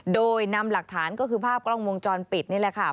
โดยนำหลักฐานก็คือภาพกล้องวงจรปิดนี่แหละค่ะ